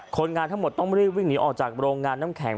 คนงานทั้งหมดต้องรีบวิ่งหนีออกจากโรงงานน้ำแข็ง